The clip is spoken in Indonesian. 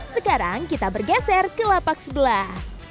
sekarang kita bergeser ke lapak sebelah